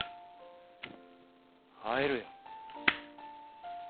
会えるよ。